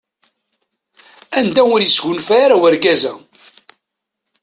Anda ur isgunfa ara urgaz-a?